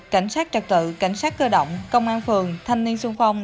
cảnh sát trạc tự cảnh sát cơ động công an phường thanh niên xung phong